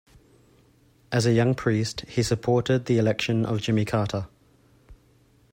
As a young priest, he supported the election of Jimmy Carter.